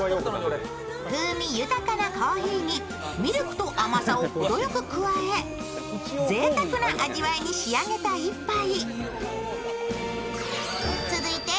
風味豊かなコーヒーにミルクと甘さをほどよく加え、ぜいたくな味わいに仕上げた１杯。